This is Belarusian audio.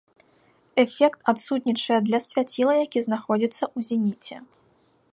Эфект адсутнічае для свяціла, які знаходзіцца ў зеніце.